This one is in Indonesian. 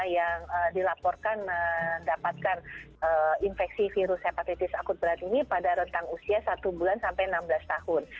yang dilaporkan mendapatkan infeksi virus hepatitis akut berat ini pada rentang usia satu bulan sampai enam belas tahun